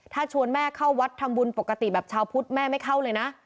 ถ้าชวนแม่เข้าวัดทำบุญปกติแบบชาวพุทธแม่ไม่เข้าเลยนะ